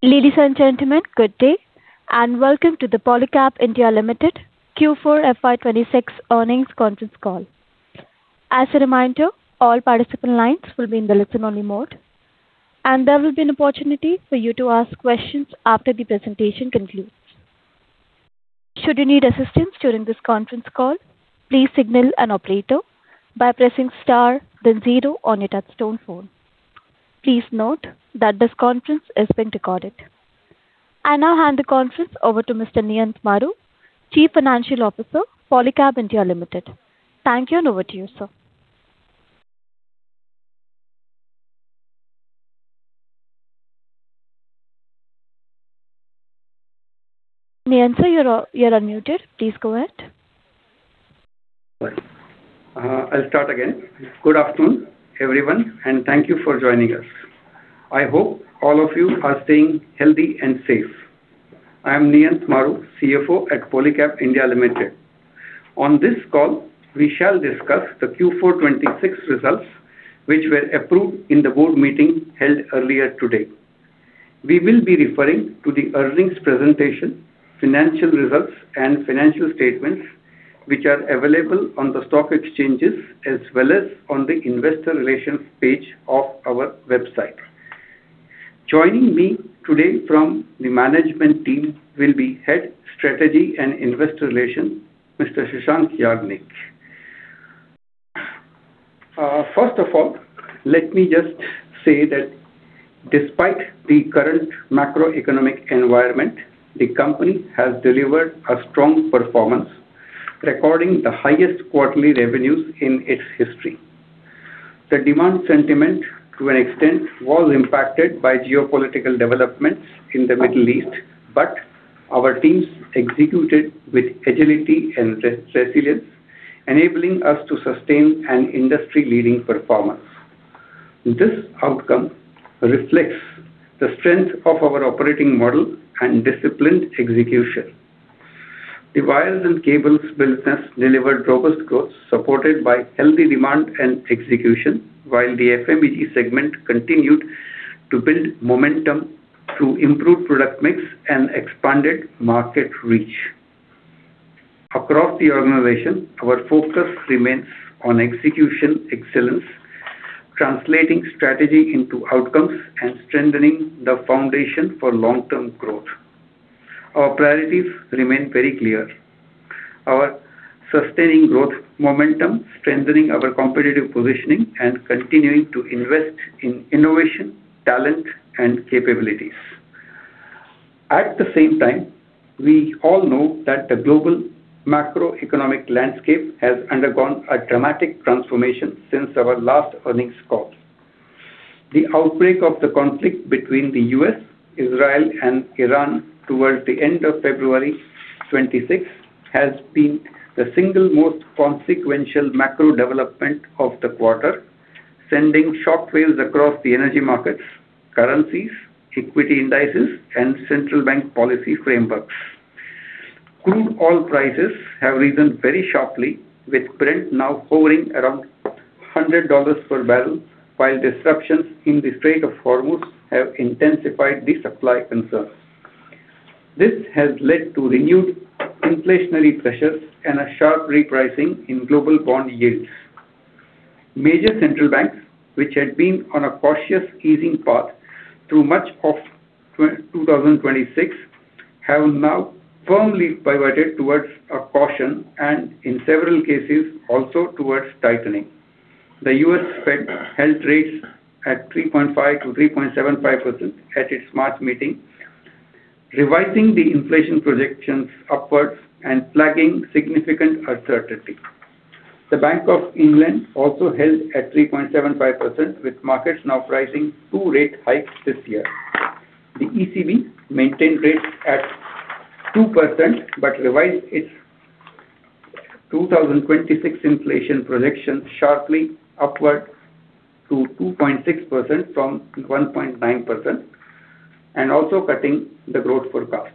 Ladies and gentlemen, good day, welcome to the Polycab India Limited Q4 FY 2026 earnings conference call. As a reminder, all participant lines will be in the listen-only mode. There will be an opportunity for you to ask questions after the presentation concludes. Should you need assistance during this conference call, please signal an operator by pressing star then zero on your touchtone phone. Please note that this conference is being recorded. I now hand the conference over to Mr. Niyant Maru, Chief Financial Officer, Polycab India Limited. Thank you. Over to you, sir. Niyant, sir, you're unmuted. Please go ahead. I'll start again. Good afternoon, everyone, and thank you for joining us. I hope all of you are staying healthy and safe. I'm Niyant Maru, CFO at Polycab India Limited. On this call, we shall discuss the Q4 2026 results which were approved in the board meeting held earlier today. We will be referring to the earnings presentation, financial results, and financial statements which are available on the stock exchanges as well as on the Investor Relations page of our website. Joining me today from the management team will be Head, Strategy and Investor Relations, Mr. Shashank Yagnick. First of all, let me just say that despite the current macroeconomic environment, the company has delivered a strong performance, recording the highest quarterly revenues in its history. The demand sentiment to an extent was impacted by geopolitical developments in the Middle East, but our teams executed with agility and resilience, enabling us to sustain an industry-leading performance. This outcome reflects the strength of our operating model and disciplined execution. The wires and cables business delivered robust growth supported by healthy demand and execution, while the FMEG segment continued to build momentum through improved product mix and expanded market reach. Across the organization, our focus remains on execution excellence, translating strategy into outcomes, and strengthening the foundation for long-term growth. Our priorities remain very clear, sustaining growth momentum, strengthening our competitive positioning, and continuing to invest in innovation, talent, and capabilities. At the same time, we all know that the global macroeconomic landscape has undergone a dramatic transformation since our last earnings call. The outbreak of the conflict between the U.S., Israel, and Iran towards the end of February 2026 has been the single most consequential macro development of the quarter, sending shockwaves across the energy markets, currencies, equity indices, and central bank policy frameworks. Crude oil prices have risen very sharply with Brent now hovering around $100 per barrel while disruptions in the Strait of Hormuz have intensified the supply concerns. This has led to renewed inflationary pressures and a sharp repricing in global bond yields. Major central banks, which had been on a cautious easing path through much of 2026, have now firmly pivoted towards a caution and, in several cases, also towards tightening. The U.S. Fed held rates at 3.5%-3.75% at its March meeting, revising the inflation projections upwards and flagging significant uncertainty. The Bank of England also held at 3.75%, with markets now pricing two rate hikes this year. The ECB maintained rates at 2% but revised its 2026 inflation projections sharply upward to 2.6% from 1.9% and also cutting the growth forecast.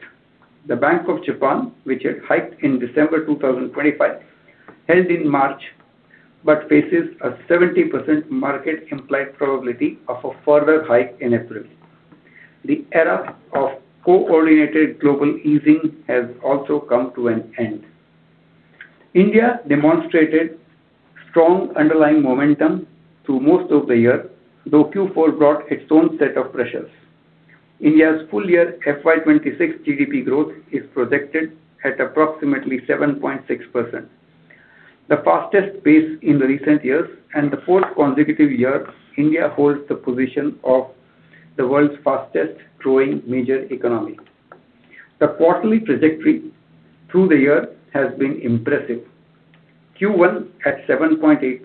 The Bank of Japan, which had hiked in December 2025, held in March, but faces a 70% market implied probability of a further hike in April. The era of coordinated global easing has also come to an end. India demonstrated strong underlying momentum through most of the year, though Q4 brought its own set of pressures. India's full year FY 2026 GDP growth is projected at approximately 7.6%, the fastest pace in the recent years and the fourth consecutive year India holds the position of the world's fastest-growing major economy. The quarterly trajectory through the year has been impressive. Q1 at 7.8%,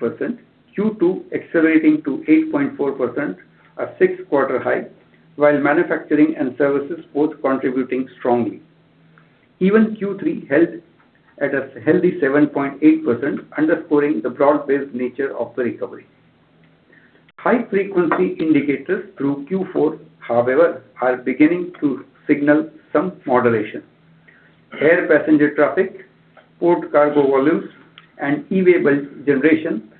Q2 accelerating to 8.4%, a six-quarter high, while manufacturing and services both contributing strongly. Even Q3 held at a healthy 7.8%, underscoring the broad-based nature of the recovery. High-frequency indicators through Q4, however, are beginning to signal some moderation. Air passenger traffic, port cargo volumes, and E-way bill generation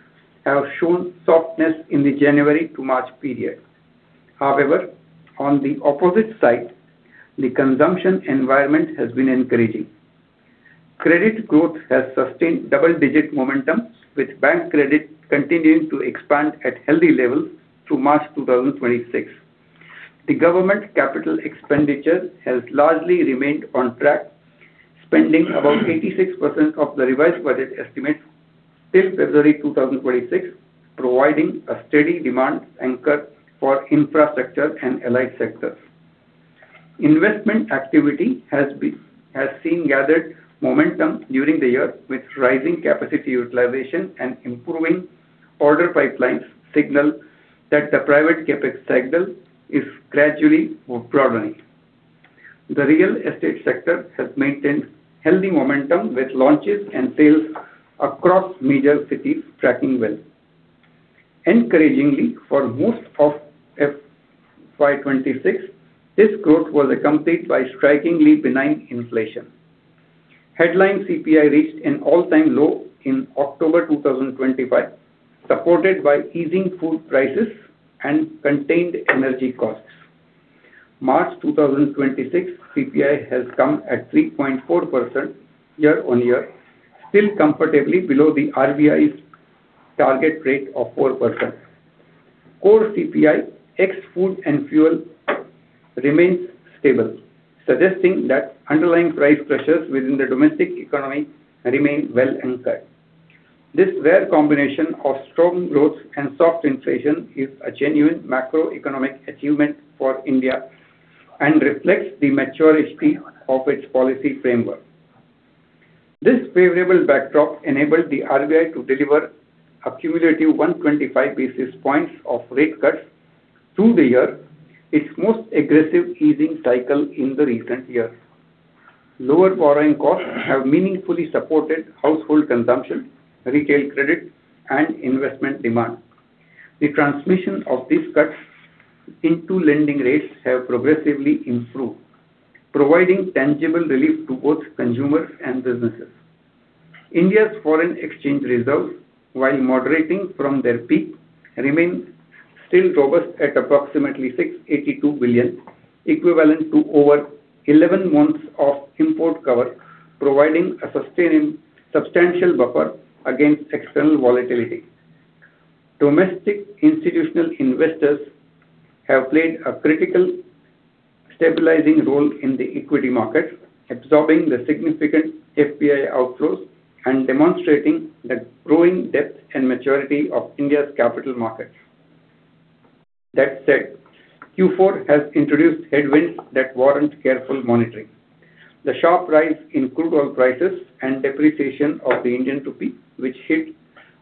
have shown softness in the January to March period. However, on the opposite side, the consumption environment has been encouraging. Credit growth has sustained double-digit momentum, with bank credit continuing to expand at healthy levels through March 2026. The government capital expenditure has largely remained on track, spending about 86% of the revised budget estimates till February 2026, providing a steady demand anchor for infrastructure and allied sectors. Investment activity has seen gathered momentum during the year, with rising capacity utilization and improving order pipelines signal that the private CapEx cycle is gradually broadening. The real estate sector has maintained healthy momentum, with launches and sales across major cities tracking well. Encouragingly, for most of FY 2026, this growth was accompanied by strikingly benign inflation. Headline CPI reached an all-time low in October 2025, supported by easing food prices and contained energy costs. March 2026 CPI has come at 3.4% year-on-year, still comfortably below the RBI's target rate of 4%. Core CPI, ex food and fuel, remains stable, suggesting that underlying price pressures within the domestic economy remain well anchored. This rare combination of strong growth and soft inflation is a genuine macroeconomic achievement for India and reflects the maturity of its policy framework. This favorable backdrop enabled the RBI to deliver a cumulative 125 basis points of rate cuts through the year, its most aggressive easing cycle in the recent years. Lower borrowing costs have meaningfully supported household consumption, retail credit, and investment demand. The transmission of these cuts into lending rates have progressively improved, providing tangible relief to both consumers and businesses. India's foreign exchange reserves, while moderating from their peak, remain still robust at approximately $682 billion, equivalent to over 11 months of import cover, providing a substantial buffer against external volatility. Domestic institutional investors have played a critical stabilizing role in the equity market, absorbing the significant FPI outflows and demonstrating the growing depth and maturity of India's capital markets. That said, Q4 has introduced headwinds that warrant careful monitoring. The sharp rise in crude oil prices and depreciation of the Indian rupee, which hit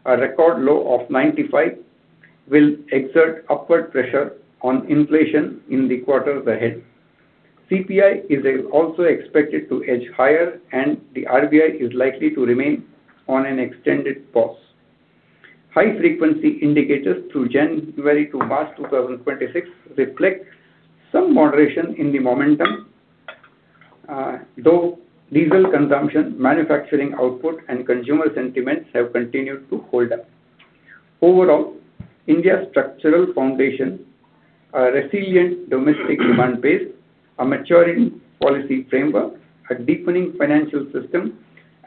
a record low of 95, will exert upward pressure on inflation in the quarters ahead. CPI is also expected to edge higher. The RBI is likely to remain on an extended pause. High-frequency indicators through January to March 2026 reflect some moderation in the momentum, though diesel consumption, manufacturing output, and consumer sentiments have continued to hold up. Overall, India's structural foundation, a resilient domestic demand base, a maturing policy framework, a deepening financial system,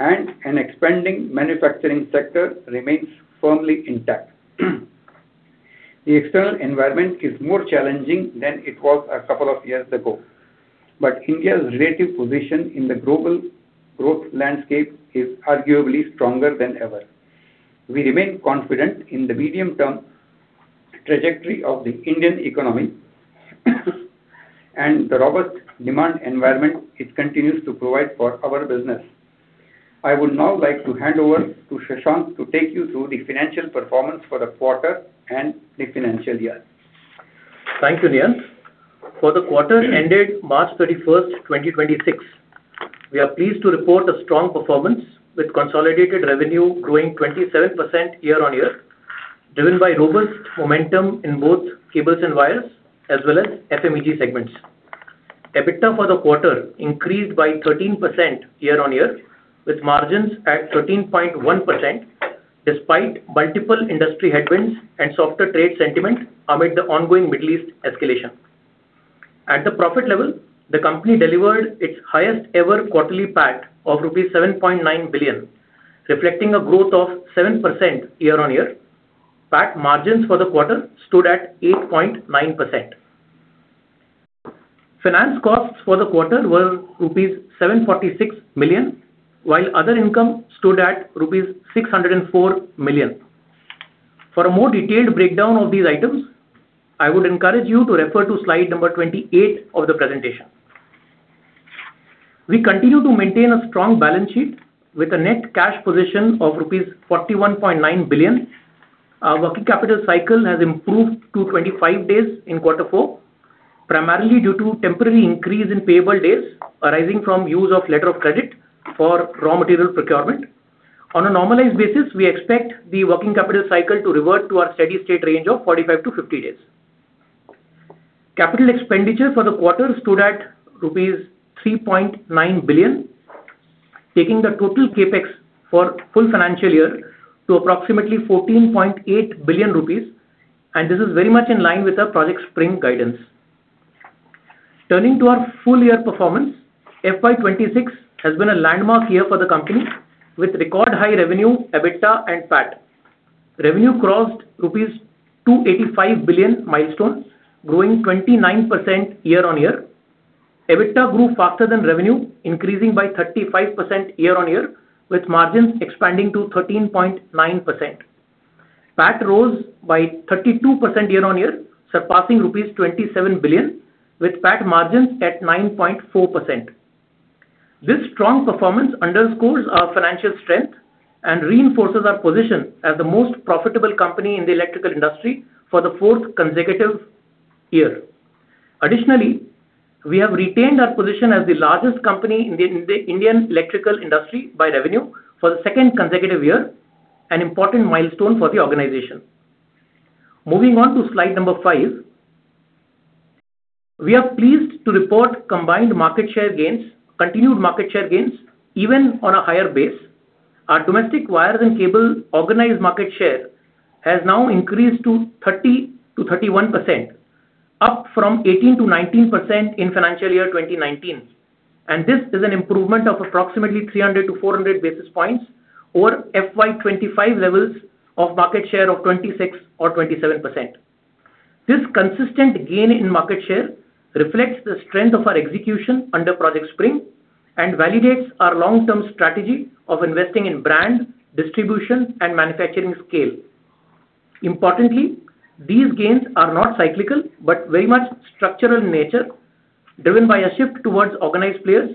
and an expanding manufacturing sector remains firmly intact. The external environment is more challenging than it was a couple of years ago, but India's relative position in the global growth landscape is arguably stronger than ever. We remain confident in the medium-term trajectory of the Indian economy and the robust demand environment it continues to provide for our business. I would now like to hand over to Shashank to take you through the financial performance for the quarter and the financial year. Thank you, Niyant. For the quarter ended March 31st, 2026, we are pleased to report a strong performance, with consolidated revenue growing 27% year-on-year, driven by robust momentum in both cables and wires, as well as FMEG segments. EBITDA for the quarter increased by 13% year-on-year, with margins at 13.1% despite multiple industry headwinds and softer trade sentiment amid the ongoing Middle East escalation. At the profit level, the company delivered its highest ever quarterly PAT of rupees 7.9 billion, reflecting a growth of 7% year-on-year. PAT margins for the quarter stood at 8.9%. Finance costs for the quarter were rupees 746 million, while other income stood at rupees 604 million. For a more detailed breakdown of these items, I would encourage you to refer to slide number 28 of the presentation. We continue to maintain a strong balance sheet with a net cash position of rupees 41.9 billion. Our working capital cycle has improved to 25 days in quarter four, primarily due to temporary increase in payable days arising from use of letter of credit for raw material procurement. On a normalized basis, we expect the working capital cycle to revert to our steady state range of 45 days-50 days. Capital expenditure for the quarter stood at rupees 3.9 billion, taking the total CapEx for full financial year to approximately 14.8 billion rupees, and this is very much in line with our Project Spring guidance. Turning to our full year performance, FY 2026 has been a landmark year for the company with record high revenue, EBITDA and PAT. Revenue crossed rupees 285 billion milestones, growing 29% year-on-year. EBITDA grew faster than revenue, increasing by 35% year-on-year, with margins expanding to 13.9%. PAT rose by 32% year-on-year, surpassing rupees 27 billion with PAT margins at 9.4%. This strong performance underscores our financial strength and reinforces our position as the most profitable company in the electrical industry for the fourth consecutive year. Additionally, we have retained our position as the largest company in the Indian electrical industry by revenue for the second consecutive year, an important milestone for the organization. Moving on to slide number five, we are pleased to report combined market share gains, continued market share gains even on a higher base. Our domestic wires and cables organized market share has now increased to 30%-31%, up from 18%-19% in FY 2019. This is an improvement of approximately 300 basis points-400 basis points or FY 2025 levels of market share of 26% or 27%. This consistent gain in market share reflects the strength of our execution under Project Spring and validates our long term strategy of investing in brand, distribution and manufacturing scale. Importantly, these gains are not cyclical, but very much structural in nature, driven by a shift towards organized players,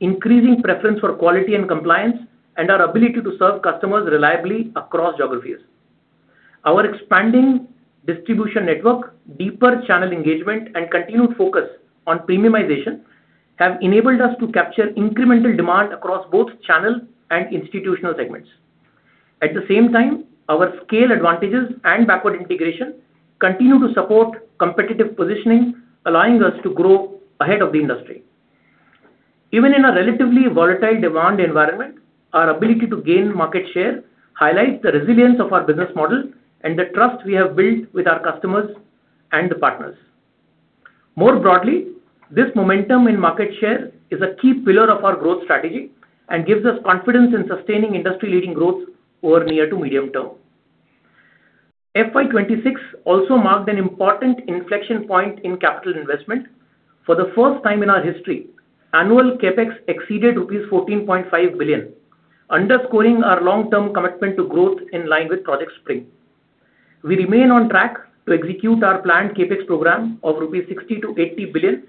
increasing preference for quality and compliance, and our ability to serve customers reliably across geographies. Our expanding distribution network, deeper channel engagement and continued focus on premiumization have enabled us to capture incremental demand across both channel and institutional segments. At the same time, our scale advantages and backward integration continue to support competitive positioning, allowing us to grow ahead of the industry. Even in a relatively volatile demand environment, our ability to gain market share highlights the resilience of our business model and the trust we have built with our customers and partners. More broadly, this momentum in market share is a key pillar of our growth strategy and gives us confidence in sustaining industry-leading growth over near to medium term. FY 2026 also marked an important inflection point in capital investment. For the first time in our history, annual CapEx exceeded rupees 14.5 billion, underscoring our long-term commitment to growth in line with Project Spring. We remain on track to execute our planned CapEx program of 60 billion-80 billion rupees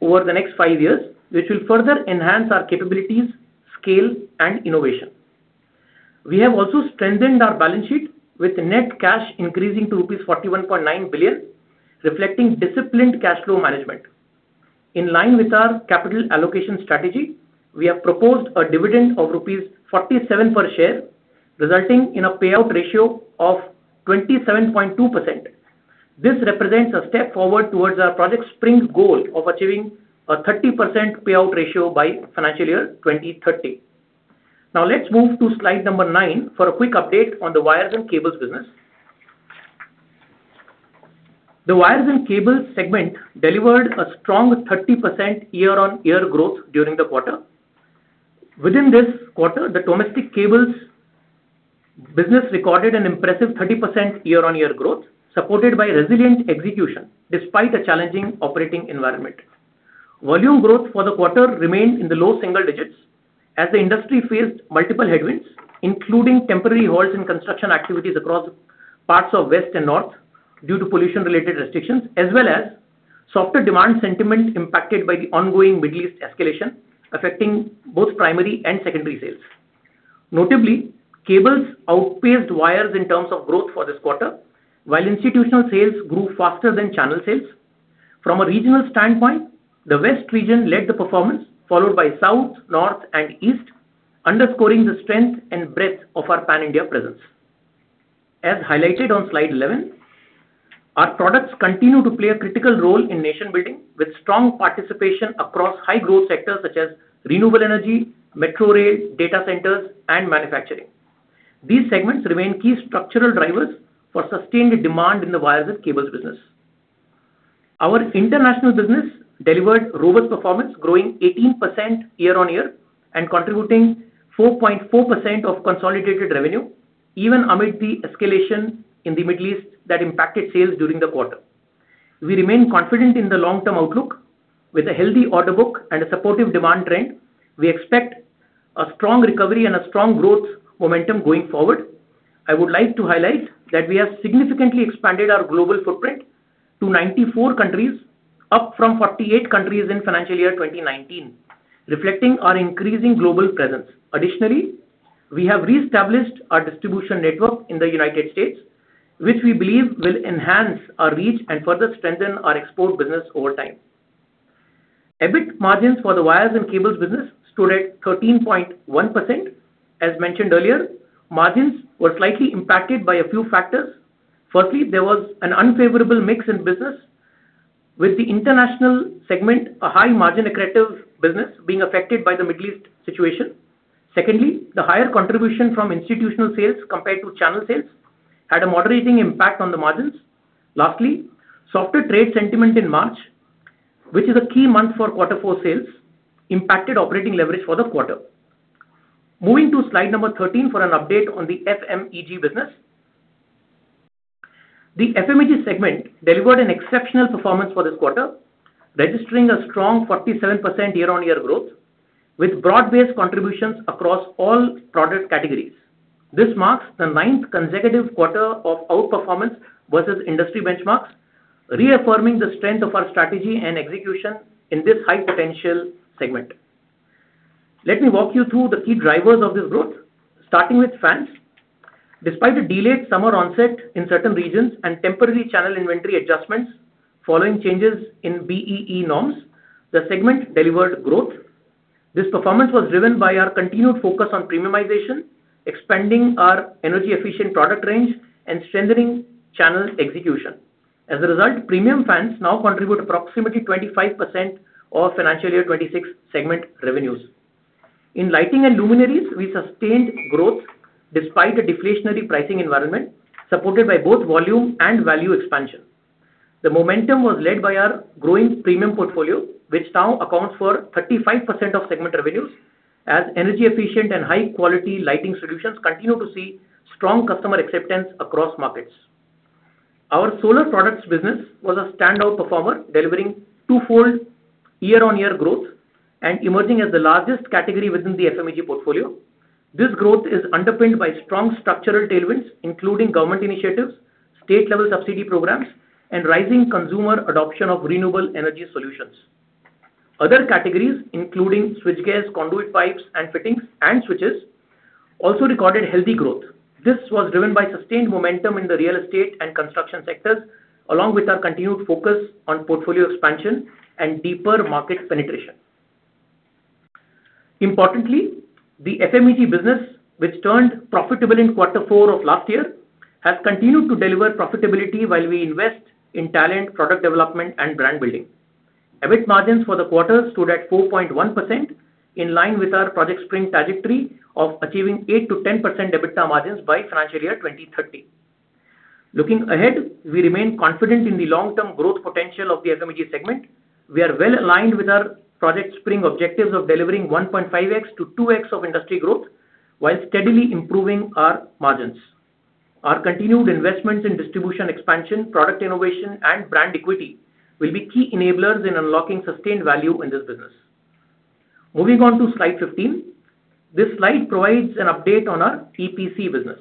over the next five years, which will further enhance our capabilities, scale and innovation. We have also strengthened our balance sheet with net cash increasing to rupees 41.9 billion, reflecting disciplined cash flow management. In line with our capital allocation strategy, we have proposed a dividend of rupees 47 per share, resulting in a payout ratio of 27.2%. This represents a step forward towards our Project Spring's goal of achieving a 30% payout ratio by financial year 2030. Now let's move to slide number nine for a quick update on the wires and cables business. The wires and cables segment delivered a strong 30% year-on-year growth during the quarter. Within this quarter, the domestic cables business recorded an impressive 30% year-on-year growth, supported by resilient execution despite a challenging operating environment. Volume growth for the quarter remained in the low single digits as the industry faced multiple headwinds, including temporary halts in construction activities across parts of west and north due to pollution related restrictions, as well as softer demand sentiment impacted by the ongoing Middle East escalation, affecting both primary and secondary sales. Notably, cables outpaced wires in terms of growth for this quarter, while institutional sales grew faster than channel sales. From a regional standpoint, the west region led the performance, followed by south, north and east, underscoring the strength and breadth of our pan-India presence. As highlighted on slide 11, our products continue to play a critical role in nation building with strong participation across high growth sectors such as renewable energy, metro rail, data centers and manufacturing. These segments remain key structural drivers for sustained demand in the wires and cables business. Our international business delivered robust performance, growing 18% year-on-year and contributing 4.4% of consolidated revenue even amid the escalation in the Middle East that impacted sales during the quarter. We remain confident in the long term outlook with a healthy order book and a supportive demand trend. We expect a strong recovery and a strong growth momentum going forward. I would like to highlight that we have significantly expanded our global footprint to 94 countries, up from 48 countries in financial year 2019, reflecting our increasing global presence. Additionally, we have reestablished our distribution network in the United States, which we believe will enhance our reach and further strengthen our export business over time. EBIT margins for the wires and cables business stood at 13.1%. As mentioned earlier, margins were slightly impacted by a few factors. Firstly, there was an unfavorable mix in business, with the international segment, a high margin accretive business, being affected by the Middle East situation. Secondly, the higher contribution from institutional sales compared to channel sales had a moderating impact on the margins. Lastly, softer trade sentiment in March, which is a key month for quarter four sales, impacted operating leverage for the quarter. Moving to slide number 13 for an update on the FMEG business. The FMEG segment delivered an exceptional performance for this quarter, registering a strong 47% year-on-year growth, with broad-based contributions across all product categories. This marks the ninth consecutive quarter of outperformance versus industry benchmarks, reaffirming the strength of our strategy and execution in this high-potential segment. Let me walk you through the key drivers of this growth, starting with fans. Despite a delayed summer onset in certain regions and temporary channel inventory adjustments following changes in BEE norms, the segment delivered growth. This performance was driven by our continued focus on premiumization, expanding our energy-efficient product range, and strengthening channel execution. As a result, premium fans now contribute approximately 25% of financial year 2026 segment revenues. In lighting and luminaries, we sustained growth despite a deflationary pricing environment supported by both volume and value expansion. The momentum was led by our growing premium portfolio, which now accounts for 35% of segment revenues, as energy-efficient and high-quality lighting solutions continue to see strong customer acceptance across markets. Our solar products business was a standout performer, delivering twofold year-on-year growth and emerging as the largest category within the FMEG portfolio. This growth is underpinned by strong structural tailwinds, including government initiatives, state-level subsidy programs, and rising consumer adoption of renewable energy solutions. Other categories, including switch gears, conduit pipes and fittings, and switches, also recorded healthy growth. This was driven by sustained momentum in the real estate and construction sectors, along with our continued focus on portfolio expansion and deeper market penetration. Importantly, the FMEG business, which turned profitable in quarter four of last year, has continued to deliver profitability while we invest in talent, product development, and brand building. EBIT margins for the quarter stood at 4.1%, in line with our Project Spring trajectory of achieving 8%-10% EBITDA margins by financial year 2030. Looking ahead, we remain confident in the long-term growth potential of the FMEG segment. We are well-aligned with our Project Spring objectives of delivering 1.5x-2x of industry growth while steadily improving our margins. Our continued investments in distribution expansion, product innovation, and brand equity will be key enablers in unlocking sustained value in this business. Moving on to slide 15, this slide provides an update on our EPC business.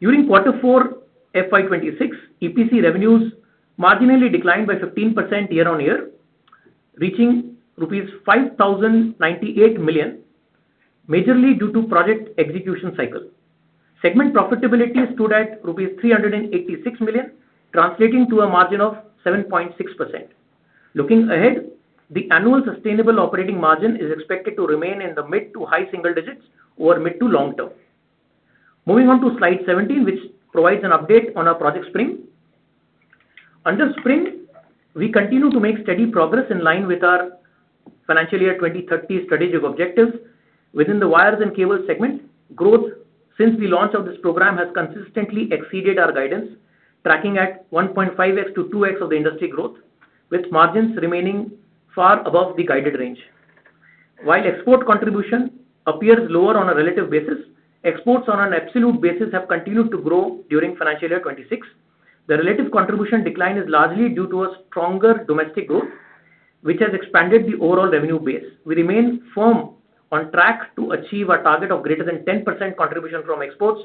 During quarter four FY 2026, EPC revenues marginally declined by 15% year-on-year, reaching rupees 5,098 million, majorly due to project execution cycle. Segment profitability stood at INR 386 million, translating to a margin of 7.6%. Looking ahead, the annual sustainable operating margin is expected to remain in the mid to high single digits over mid to long term. Moving on to slide 17, which provides an update on our Project Spring. Under Spring, we continue to make steady progress in line with our financial year 2030 strategic objectives. Within the wires and cables segment, growth since the launch of this program has consistently exceeded our guidance, tracking at 1.5x-2x of the industry growth, with margins remaining far above the guided range. Export contribution appears lower on a relative basis, exports on an absolute basis have continued to grow during financial year 2026. The relative contribution decline is largely due to a stronger domestic growth, which has expanded the overall revenue base. We remain firm on track to achieve our target of greater than 10% contribution from exports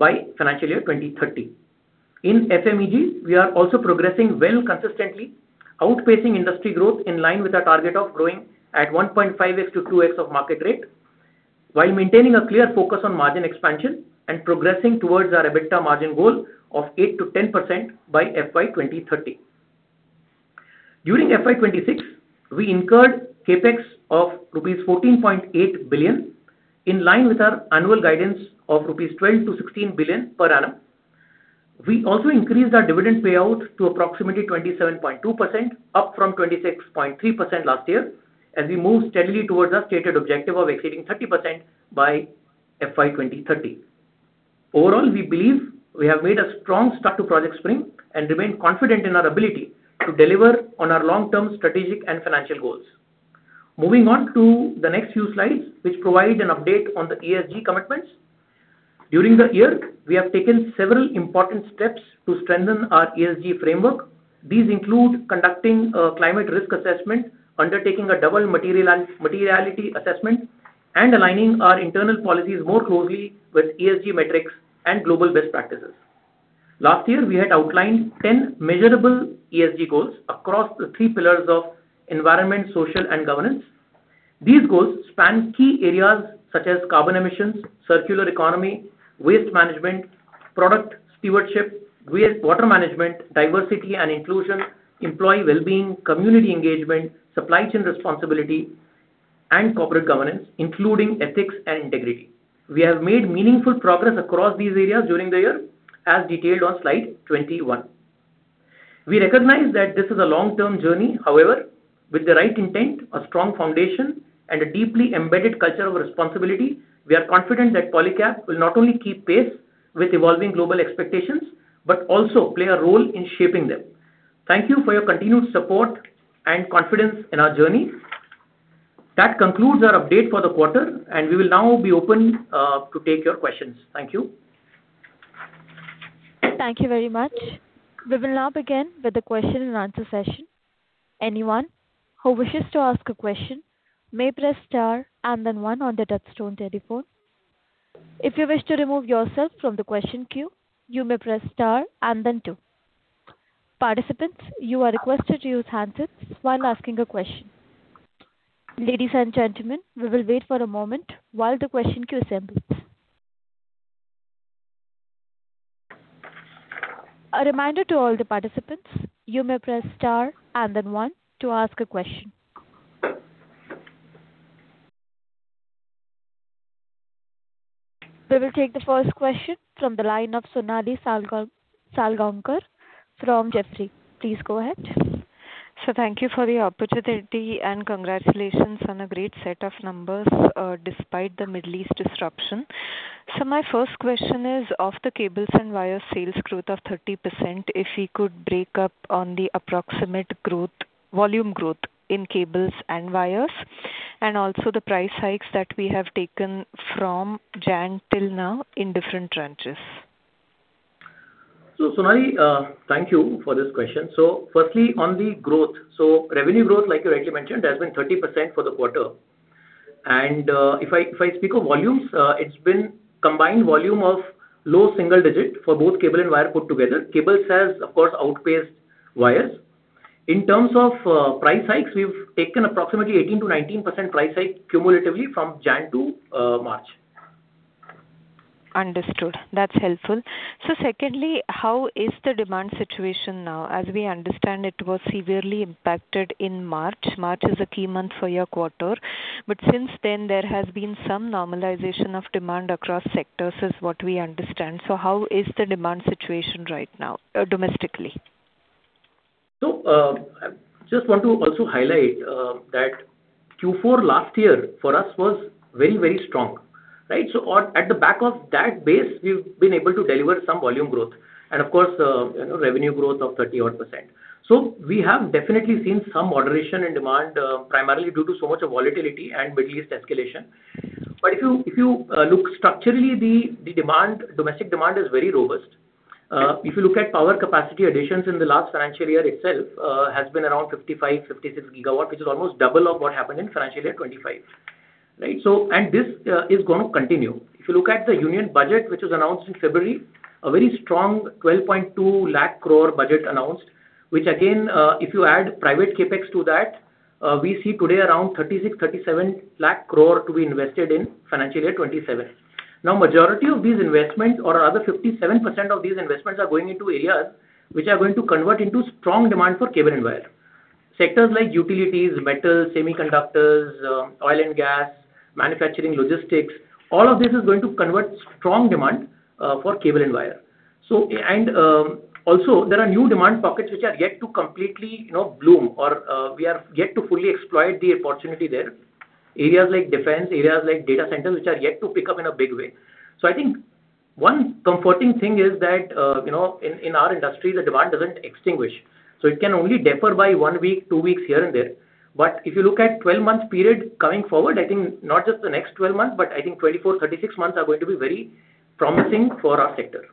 by financial year 2030. In FMEG, we are also progressing well consistently, outpacing industry growth in line with our target of growing at 1.5x-2x of market rate, while maintaining a clear focus on margin expansion and progressing towards our EBITDA margin goal of 8%-10% by FY 2030. During FY 2026, we incurred CapEx of rupees 14.8 billion, in line with our annual guidance of 12 billion-16 billion rupees per annum. We also increased our dividend payout to approximately 27.2%, up from 26.3% last year, as we move steadily towards our stated objective of exceeding 30% by FY 2030. We believe we have made a strong start to Project Spring and remain confident in our ability to deliver on our long-term strategic and financial goals. Moving on to the next few slides, which provide an update on the ESG commitments. During the year, we have taken several important steps to strengthen our ESG framework. These include conducting a climate risk assessment, undertaking a double materiality assessment, and aligning our internal policies more closely with ESG metrics and global best practices. Last year, we had outlined 10 measurable ESG goals across the three pillars of environment, social, and governance. These goals span key areas such as carbon emissions, circular economy, waste management, product stewardship, waste water management, diversity and inclusion, employee well-being, community engagement, supply chain responsibility, and corporate governance, including ethics and integrity. We have made meaningful progress across these areas during the year, as detailed on slide 21. We recognize that this is a long-term journey. However, with the right intent, a strong foundation, and a deeply embedded culture of responsibility, we are confident that Polycab will not only keep pace with evolving global expectations, but also play a role in shaping them. Thank you for your continued support and confidence in our journey. That concludes our update for the quarter, and we will now be open to take your questions. Thank you. Thank you very much. We will now begin with the question and answer session. Anyone who wishes to ask a question may press star and then one on their touchtone telephone. If you wish to remove yourself from the question queue, you may press star and then two. Participants, you are requested to use handsets while asking a question. Ladies and gentlemen, we will wait for a moment while the question queue assembles. A reminder to all the participants, you may press star and then one to ask a question. We will take the first question from the line of Sonali Salgaonkar from Jefferies. Please go ahead. Thank you for the opportunity, and congratulations on a great set of numbers, despite the Middle East disruption. My first question is, of the cables and wire sales growth of 30%, if we could break up on the volume growth in cables and wires, and also the price hikes that we have taken from January till now in different tranches. Sonali, thank you for this question. Firstly, on the growth. Revenue growth, like you rightly mentioned, has been 30% for the quarter. If I speak of volumes, it's been combined volume of low single digit for both cable and wire put together. Cables has, of course, outpaced wires. In terms of price hikes, we've taken approximately 18%-19% price hike cumulatively from January to March. Understood. That's helpful. Secondly, how is the demand situation now? As we understand, it was severely impacted in March. March is a key month for your quarter. Since then, there has been some normalization of demand across sectors, is what we understand. How is the demand situation right now domestically? I just want to also highlight that Q4 last year for us was very, very strong, right? At the back of that base, we've been able to deliver some volume growth and of course, you know, revenue growth of 30%. We have definitely seen some moderation in demand primarily due to so much volatility and Middle East escalation. If you look structurally, the demand, domestic demand is very robust. If you look at power capacity additions in the last financial year itself, has been around 55 GW, 56 GW, which is almost double of what happened in financial year 2025, right? And this is gonna continue. If you look at the Union Budget, which was announced in February, a very strong 12.2 lakh crore budget announced, which again, if you add private CapEx to that, we see today around 36 lakh crore, 37 lakh crore to be invested in financial year 2027. Majority of these investments or rather 57% of these investments are going into areas which are going to convert into strong demand for cable and wire. Sectors like utilities, metals, semiconductors, oil and gas, manufacturing, logistics, all of this is going to convert strong demand for cable and wire. And also there are new demand pockets which are yet to completely, you know, bloom or we are yet to fully exploit the opportunity there, areas like defense, areas like data centers, which are yet to pick up in a big way. I think one comforting thing is that, you know, in our industry, the demand doesn't extinguish. It can only defer by one week, two weeks here and there. If you look at 12 months period coming forward, I think not just the next 12 months, but I think 24 months, 36 months are going to be very promising for our sector.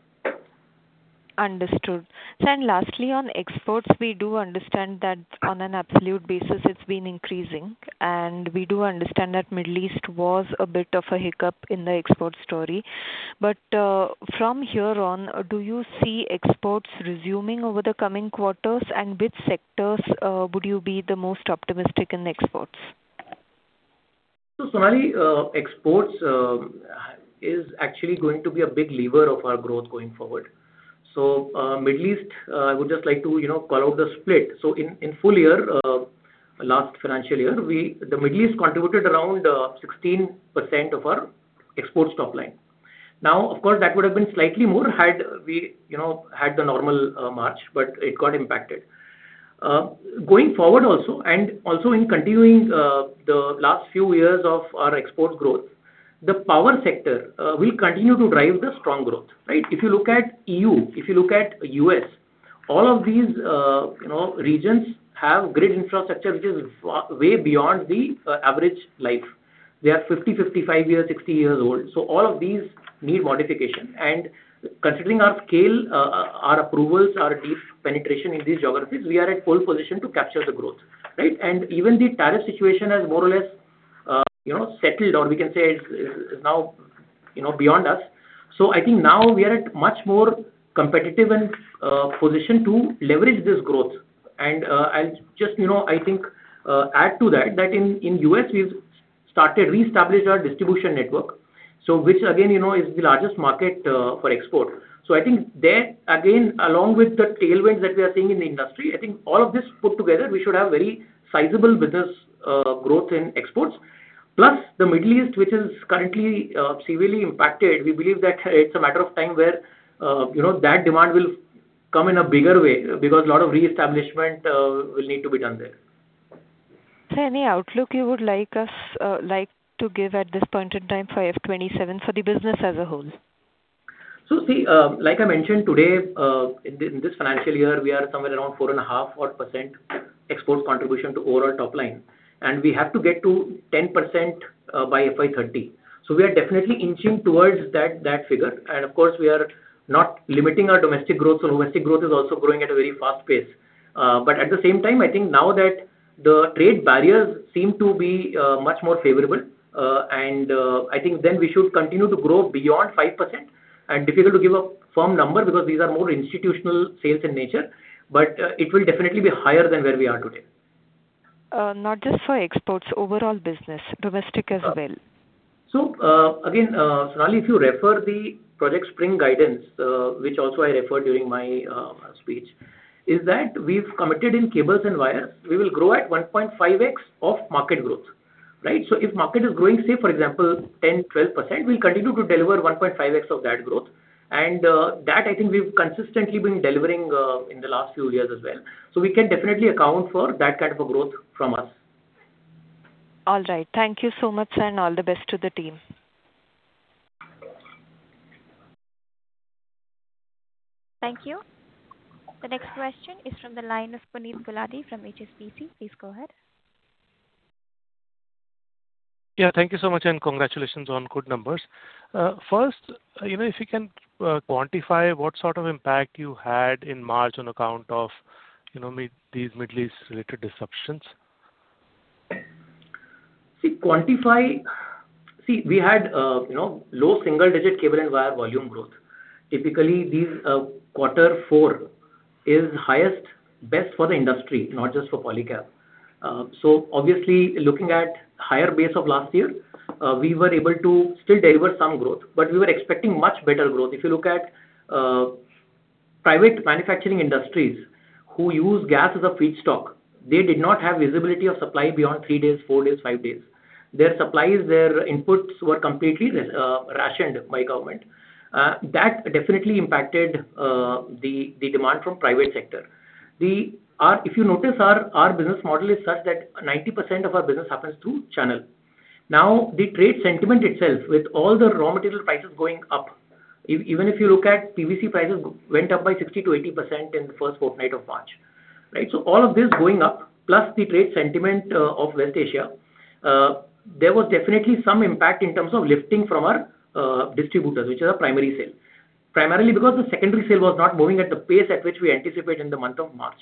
Understood. Lastly, on exports, we do understand that on an absolute basis it's been increasing, and we do understand that Middle East was a bit of a hiccup in the export story. From here on, do you see exports resuming over the coming quarters? Which sectors, would you be the most optimistic in exports? Sonali, exports is actually going to be a big lever of our growth going forward. Middle East, I would just like to, you know, call out the split. In full year, last financial year, the Middle East contributed around 16% of our export top line. Now, of course, that would have been slightly more had we, you know, had the normal March, but it got impacted. Going forward also and also in continuing the last few years of our export growth, the power sector will continue to drive the strong growth, right? If you look at EU, if you look at U.S., all of these, you know, regions have grid infrastructure which is way beyond the average life. They are 50 years old, 55 years old, 60 years old. All of these need modification. Considering our scale, our approvals, our deep penetration in these geographies, we are at pole position to capture the growth, right. Even the tariff situation has more or less, you know, settled or we can say is now, you know, beyond us. I think now we are at much more competitive and position to leverage this growth. I'll just, you know, I think, add to that in the U.S. we've started reestablish our distribution network. Which again, you know, is the largest market for export. I think there, again, along with the tailwinds that we are seeing in the industry, I think all of this put together, we should have very sizable business growth in exports. Plus, the Middle East, which is currently severely impacted, we believe that it's a matter of time where, you know, that demand will come in a bigger way because a lot of reestablishment will need to be done there. Any outlook you would like us, like to give at this point in time for FY 2027 for the business as a whole? See, like I mentioned today, in this financial year, we are somewhere around 4.5% export contribution to overall top line, and we have to get to 10% by FY 2030. We are definitely inching towards that figure. Of course, we are not limiting our domestic growth. Domestic growth is also growing at a very fast pace. At the same time, I think now that the trade barriers seem to be much more favorable, and I think we should continue to grow beyond 5%. Difficult to give a firm number because these are more institutional sales in nature, but it will definitely be higher than where we are today. Not just for exports, overall business, domestic as well. Again, Sonali, if you refer the Project Spring guidance, which also I referred during my speech, is that we've committed in cables and wires, we will grow at 1.5x of market growth, right? If market is growing, say for example 10%-12%, we'll continue to deliver 1.5x of that growth. That I think we've consistently been delivering in the last few years as well. We can definitely account for that kind of a growth from us. All right. Thank you so much, sir, and all the best to the team. Thank you. The next question is from the line of Puneet Gulati from HSBC. Please go ahead. Yeah, thank you so much, and congratulations on good numbers. First, you know, if you can quantify what sort of impact you had in March on account of, you know, these Middle East related disruptions. We had, you know, low single-digit cable and wire volume growth. Typically, these, quarter four is highest, best for the industry, not just for Polycab. Obviously looking at higher base of last year, we were able to still deliver some growth, but we were expecting much better growth. If you look at private manufacturing industries who use gas as a feedstock, they did not have visibility of supply beyond three days, four days, five days. Their supplies, their inputs were completely rationed by government. That definitely impacted the demand from private sector. If you notice our business model is such that 90% of our business happens through channel. The trade sentiment itself, with all the raw material prices going up, even if you look at PVC prices went up by 60%-80% in the first fortnight of March. All of this going up, plus the trade sentiment of West Asia, there was definitely some impact in terms of lifting from our distributors, which are our primary sale. Primarily because the secondary sale was not moving at the pace at which we anticipate in the month of March.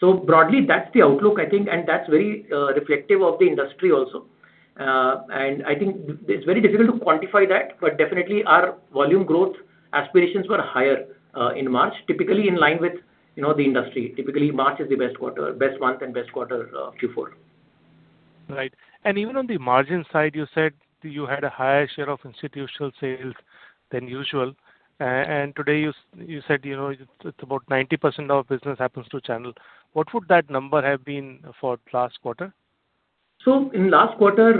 Broadly, that's the outlook, I think, and that's very reflective of the industry also. I think it's very difficult to quantify that, but definitely our volume growth aspirations were higher in March. Typically in line with, you know, the industry. Typically, March is the best month and best quarter, Q4. Right. Even on the margin side, you said you had a higher share of institutional sales than usual. Today you said, you know, it's about 90% of business happens through channel. What would that number have been for last quarter? In last quarter,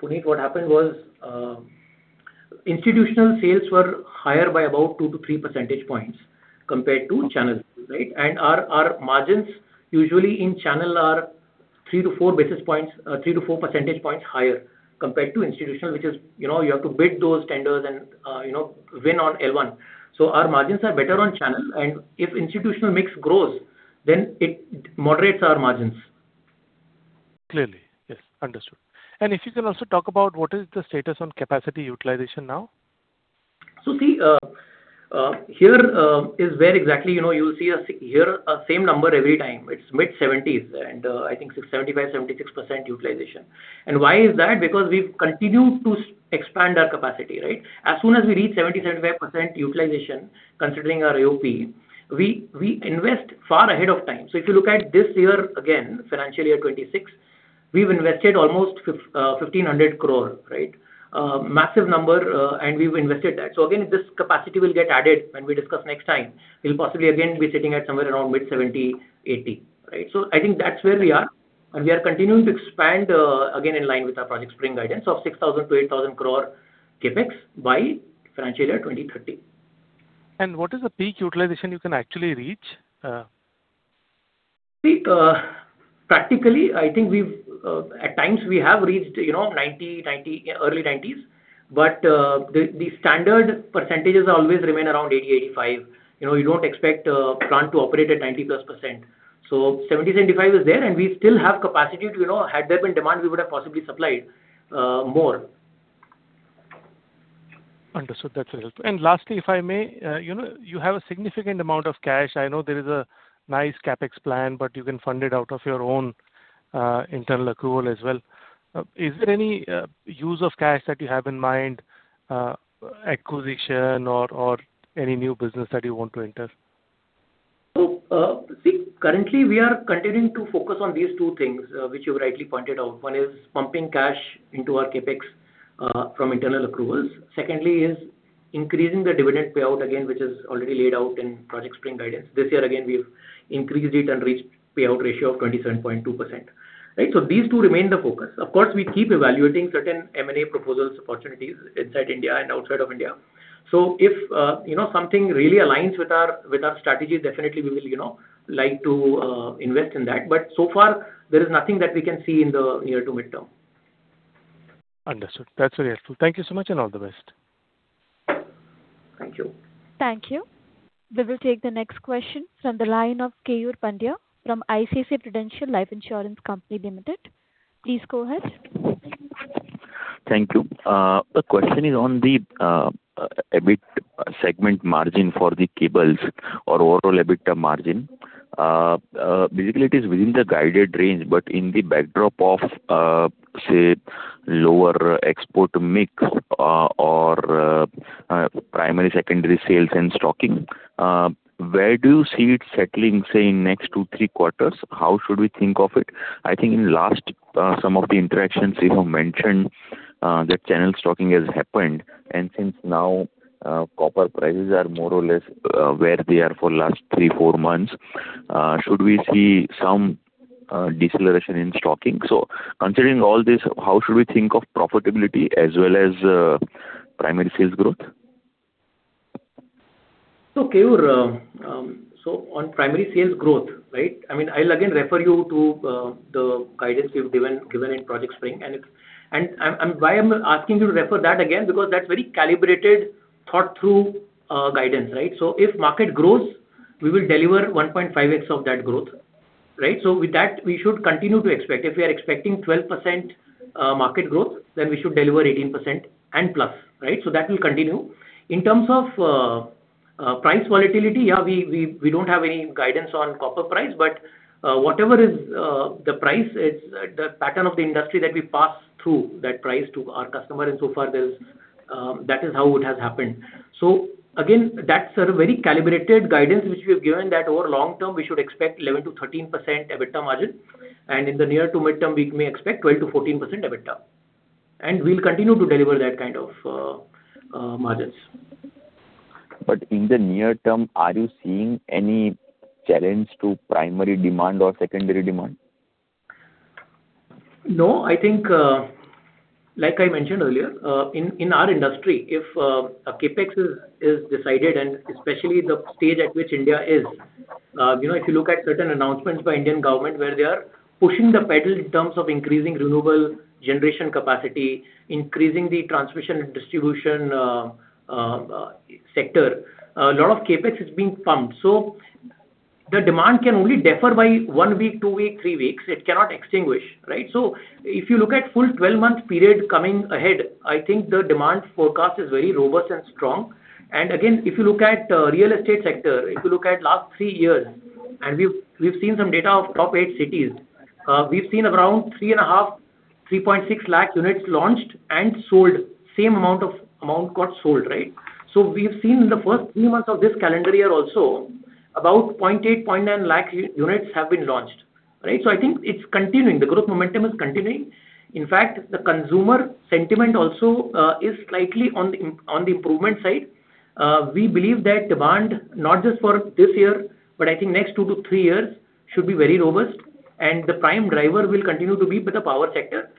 Puneet, what happened was institutional sales were higher by about 2 percentage points-3 percentage points compared to channel, right? Our margins usually in channel are 3 basis points-4 basis points, 3 percentage points-4 percentage points higher compared to institutional, which is you have to bid those tenders and win on L1. Our margins are better on channel, and if institutional mix grows, then it moderates our margins. Clearly. Yes. Understood. If you can also talk about what is the status on capacity utilization now? See, here, you know, you'll see us here a same number every time. It's mid-70s and, I think it's 75%, 76% utilization. Why is that? Because we've continued to expand our capacity, right? As soon as we reach 70%, 75% utilization, considering our AOP, we invest far ahead of time. If you look at this year, again, financial year 2026, we've invested almost 1,500 crore, right? Massive number, and we've invested that. Again, this capacity will get added when we discuss next time. We'll possibly again be sitting at somewhere around mid-70s, 80s, right? I think that's where we are. We are continuing to expand, again, in line with our Project Spring guidance of 6,000 crore-8,000 crore CapEx by financial year 2030. What is the peak utilization you can actually reach? See, practically, I think we've, at times we have reached, you know, 90%, early 90s. The standard percentages always remain around 80%, 85%. You know, you don't expect a plant to operate at 90%+. 70%, 75% is there, and we still have capacity to, you know, had there been demand, we would have possibly supplied, more. Understood. That's very helpful. Lastly, if I may, you know, you have a significant amount of cash. I know there is a nice CapEx plan, but you can fund it out of your own internal accrual as well. Is there any use of cash that you have in mind, acquisition or any new business that you want to enter? Currently, we are continuing to focus on these two things, which you rightly pointed out. One is pumping cash into our CapEx from internal accruals. Secondly is increasing the dividend payout again, which is already laid out in Project Spring guidance. This year again, we've increased it and reached payout ratio of 27.2%. Right. These two remain the focus. Of course, we keep evaluating certain M&A proposals opportunities inside India and outside of India. If, you know, something really aligns with our, with our strategy, definitely we will, you know, like to invest in that. So far, there is nothing that we can see in the near to midterm. Understood. That's very helpful. Thank you so much and all the best. Thank you. Thank you. We will take the next question from the line of Keyur Pandya from ICICI Prudential Life Insurance Company Limited. Please go ahead. Thank you. The question is on the EBIT segment margin for the cables or overall EBITDA margin. Basically it is within the guided range, but in the backdrop of, say, lower export mix, or primary secondary sales and stocking, where do you see it settling, say, in next two to three quarters? How should we think of it? I think in last some of the interactions you have mentioned that channel stocking has happened, and since now copper prices are more or less where they are for last three to four months, should we see some deceleration in stocking? Considering all this, how should we think of profitability as well as primary sales growth? Keyur, on primary sales growth, right? I mean, I'll again refer you to the guidance we've given in Project Spring. I'm asking you to refer that again because that's very calibrated, thought through guidance, right? If market grows, we will deliver 1.5x of that growth, right? With that, we should continue to expect. If we are expecting 12% market growth, then we should deliver 18% and plus, right? That will continue. In terms of price volatility, we don't have any guidance on copper price, but whatever is the price is the pattern of the industry that we pass through that price to our customer, and so far that is how it has happened. Again, that's a very calibrated guidance which we have given that over long term, we should expect 11%-13% EBITDA margin, and in the near to midterm, we may expect 12%-14% EBITDA. We'll continue to deliver that kind of margins. In the near term, are you seeing any challenge to primary demand or secondary demand? No, I think, like I mentioned earlier, in our industry, if a CapEx is decided and especially the stage at which India is, you know, if you look at certain announcements by Indian government where they are pushing the pedal in terms of increasing renewable generation capacity, increasing the transmission and distribution sector, a lot of CapEx is being pumped. The demand can only differ by one week, two weeks, three weeks. It cannot extinguish, right. If you look at full 12-month period coming ahead, I think the demand forecast is very robust and strong. Again, if you look at real estate sector, if you look at last three years, we've seen some data of top eight cities, we've seen around 3.5 lakh units, 3.6 lakh units launched and sold, same amount got sold, right. We've seen in the first three months of this calendar year also, about 0.8 lakh units, 0.9 lakh units have been launched, right. I think it's continuing. The growth momentum is continuing. In fact, the consumer sentiment also is slightly on the improvement side. We believe that demand, not just for this year, but I think next two to three years should be very robust and the prime driver will continue to be with the power sector.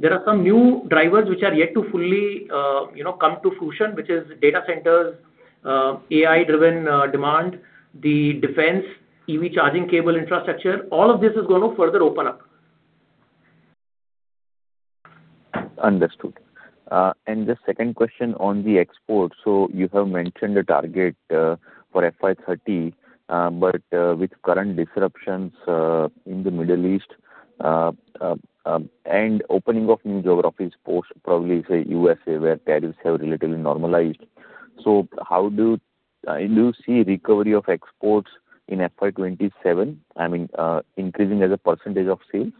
There are some new drivers which are yet to fully, you know, come to fruition, which is data centers, AI driven, demand, the defense, EV charging cable infrastructure. All of this is gonna further open up. Understood. The second question on the export. You have mentioned the target for FY 2030, with current disruptions in the Middle East, and opening of new geographies post probably say U.S.A. where tariffs have relatively normalized. How do you see recovery of exports in FY 2027, I mean, increasing as a percentage of sales?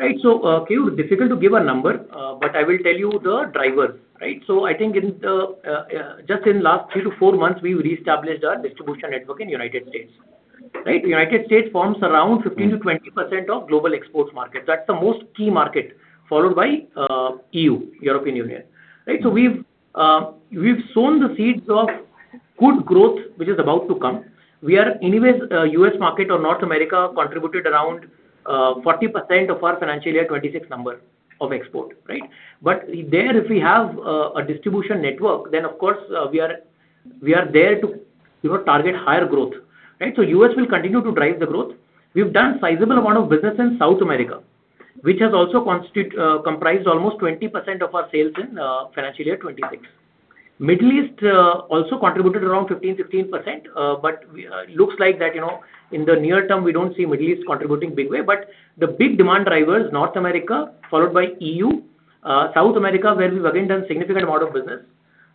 Keyur, difficult to give a number, but I will tell you the drivers. Just in last three to four months, we've reestablished our distribution network in United States. United States forms around 15%-20% of global exports market. That's the most key market, followed by EU, European Union. We've sown the seeds of good growth which is about to come. We are anyways, U.S. market or North America contributed around 40% of our financial year 2026 number of export. There if we have a distribution network, then of course, we are, we are there to, you know, target higher growth. U.S. will continue to drive the growth. We've done sizable amount of business in South America, which has also comprised almost 20% of our sales in financial year 2026. Middle East also contributed around 15%-16%. Looks like that, you know, in the near term we don't see Middle East contributing big way. The big demand drivers, North America followed by EU, South America, where we've again done significant amount of business.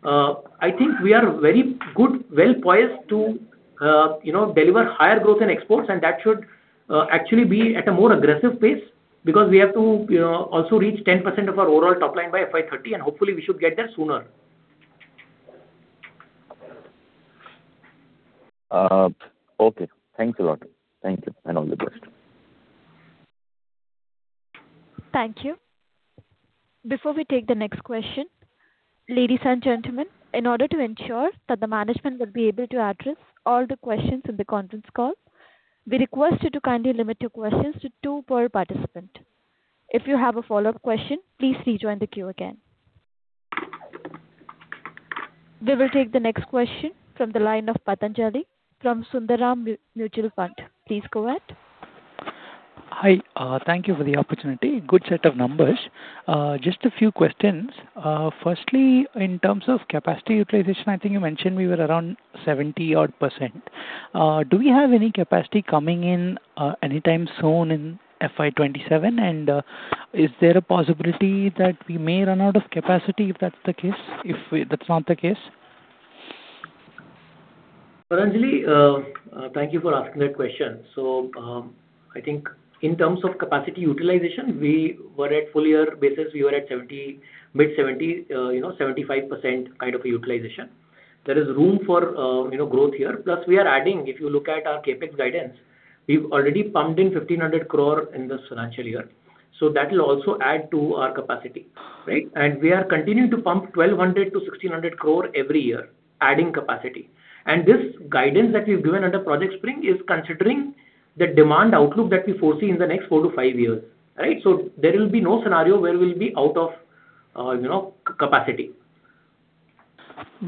I think we are very good, well-poised to, you know, deliver higher growth in exports, and that should actually be at a more aggressive pace because we have to, you know, also reach 10% of our overall top line by FY 2030, and hopefully we should get there sooner. Okay. Thanks a lot. Thank you, and all the best. Thank you. Before we take the next question, ladies and gentlemen, in order to ensure that the management will be able to address all the questions in the conference call, we request you to kindly limit your questions to two per participant. If you have a follow-up question, please rejoin the queue again. We will take the next question from the line of Pathanjali from Sundaram Mutual Fund. Please go ahead. Hi. Thank you for the opportunity. Good set of numbers. Just a few questions. Firstly, in terms of capacity utilization, I think you mentioned we were around 70%. Do we have any capacity coming in anytime soon in FY 2027? Is there a possibility that we may run out of capacity if that's the case? If that's not the case. Pathanjali, thank you for asking that question. I think in terms of capacity utilization, we were at full year basis, we were at 70%, mid-70%, you know, 75% kind of utilization. There is room for, you know, growth here, plus we are adding. If you look at our CapEx guidance, we've already pumped in 1,500 crore in this financial year, so that will also add to our capacity, right? We are continuing to pump 1,200 crore-1,600 crore every year, adding capacity. This guidance that we've given under Project Spring is considering the demand outlook that we foresee in the next four to five years, right? There will be no scenario where we'll be out of, you know, capacity.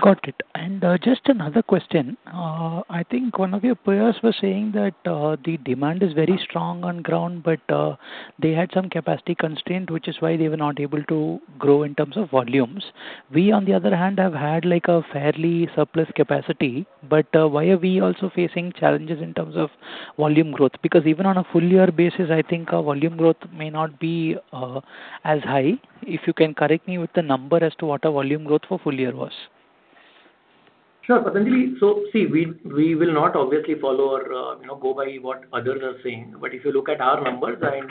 Got it. Just another question. I think one of your peers was saying that the demand is very strong on ground, but they had some capacity constraint, which is why they were not able to grow in terms of volumes. We, on the other hand, have had, like, a fairly surplus capacity, why are we also facing challenges in terms of volume growth? Even on a full-year basis, I think our volume growth may not be as high. If you can correct me with the number as to what our volume growth for full-year was. Sure, Pathanjali. See, we will not obviously follow or, you know, go by what others are saying. If you look at our numbers and,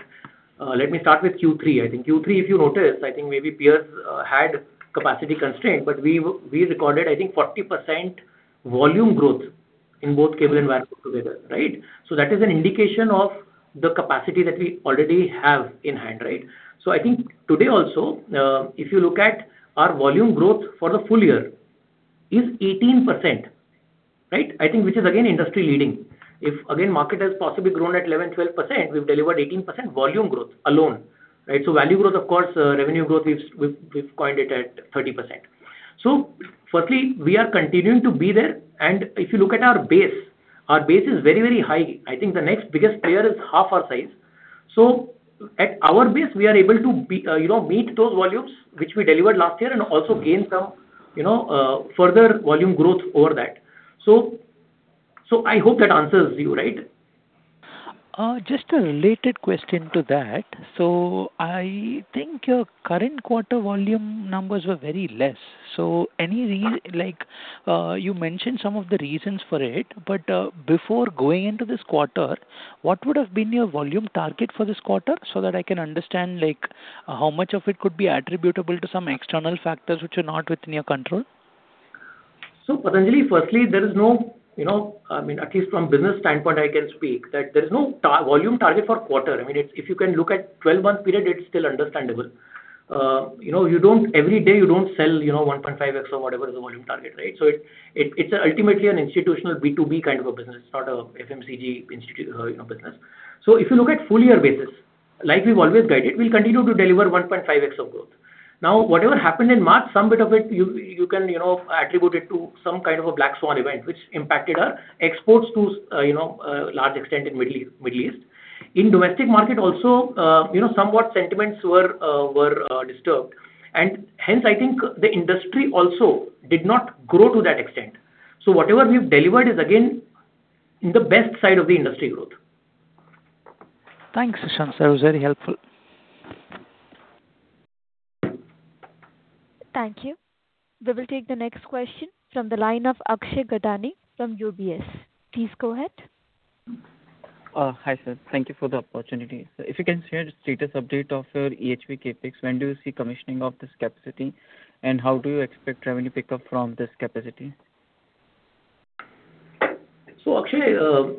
let me start with Q3. Q3, if you notice, maybe peers had capacity constraint, but we recorded 40% volume growth in both cable and wire together, right? That is an indication of the capacity that we already have in hand, right? Today also, if you look at our volume growth for the full year is 18%, right? Which is again industry leading. If again, market has possibly grown at 11%, 12%, we've delivered 18% volume growth alone, right? Value growth, of course, revenue growth, we've coined it at 30%. Firstly, we are continuing to be there. If you look at our base, our base is very, very high. I think the next biggest player is half our size. At our base we are able to be, you know, meet those volumes which we delivered last year and also gain some, you know, further volume growth over that. I hope that answers you, right? Just a related question to that. I think your current quarter volume numbers were very less. Like, you mentioned some of the reasons for it, before going into this quarter, what would have been your volume target for this quarter so that I can understand, like, how much of it could be attributable to some external factors which are not within your control? Pathanjali, firstly, there is no, at least from business standpoint, I can speak that there's no volume target for quarter. If you can look at 12-month period, it's still understandable. You don't every day you don't sell 1.5x or whatever is the volume target, right? It's ultimately an institutional B2B kind of a business. It's not a FMEG business. If you look at full year basis, like we've always guided, we'll continue to deliver 1.5x of growth. Whatever happened in March, some bit of it you can attribute it to some kind of a black swan event which impacted our exports to a large extent in Middle East. In domestic market also, you know, somewhat sentiments were disturbed, and hence I think the industry also did not grow to that extent. Whatever we've delivered is again the best side of the industry growth. Thanks, Shashank. That was very helpful. Thank you. We will take the next question from the line of Akshay Gattani from UBS. Please go ahead. Hi, sir. Thank you for the opportunity. If you can share the status update of your EHV CapEx. When do you see commissioning of this capacity, and how do you expect revenue pickup from this capacity? Akshay,